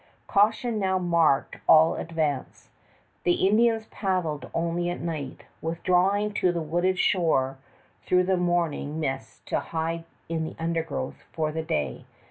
Caution now marked all advance. The Indians paddled only at night, withdrawing to the wooded shore through the morning mist to hide in the undergrowth for the day.